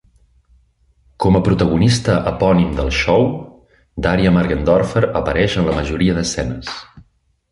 Com a protagonista epònim del show, Daria Morgendorffer apareix en la majoria d'escenes.